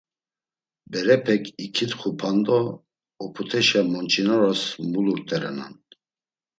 Berepek ik̆itxupan do op̆ut̆eşa monç̆inoras mulurt̆erenan.